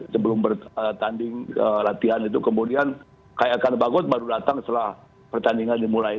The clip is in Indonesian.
sebelum bertanding latihan itu kemudian kayakan bagot baru datang setelah pertandingan dimulai